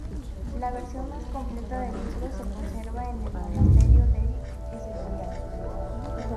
La versión más completa del libro se conserva en el Monasterio del Escorial.